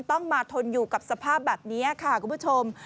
ต้องมาทนอยู่กับสภาพแบบนี้ค่ะคุณผู้ชม